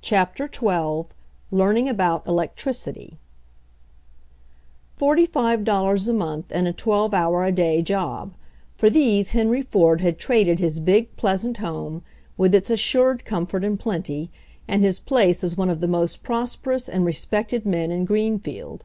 CHAPTER XII LEARNING ABOUT ELECTRICITY Forty five dollars a month and a twelve hour a day job — for these Henry Ford had traded his big, pleasant home, with its assured comfort and plenty, and his place as one of the most prosper ous and respected men in Greenfield.